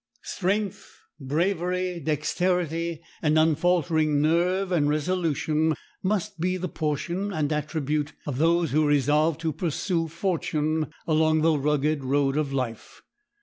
Strength, bravery, dexterity, and unfaltering nerve and resolution must be the portion and attribute of those who resolve to pursue fortune along the rugged road of life.